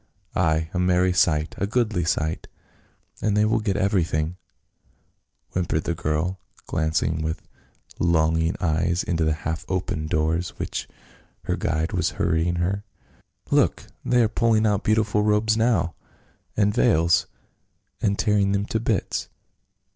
Ay, a merry sight — a goodly sight !"" But they will get everything," whimpered the girl, glancing with longing eyes into the half open doors, past which her guide was hurrying her. " Look ! they are pulling out beautiful robes now — and veils, and tearing them to bits.